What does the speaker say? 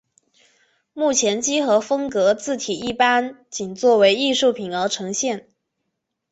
目前几何风格字体一般仅作为艺术品而呈现。